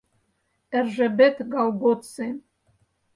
Эржебет ГАЛГОЦИ